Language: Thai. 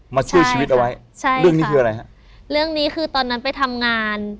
ช่วยชีวิตเอาไว้ใช่เรื่องนี้คืออะไรฮะเรื่องนี้คือตอนนั้นไปทำงาน